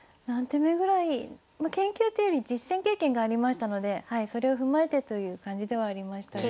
あ研究というより実戦経験がありましたのでそれを踏まえてという感じではありましたが。